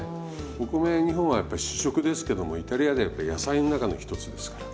お米日本はやっぱ主食ですけどもイタリアではやっぱり野菜の中の一つですから。